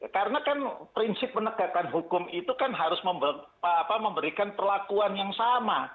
karena kan prinsip penegakan hukum itu kan harus memberikan perlakuan yang sama